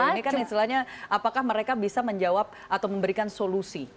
ini kan istilahnya apakah mereka bisa menjawab atau memberikan solusi